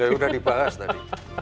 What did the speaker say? udah dibahas tadi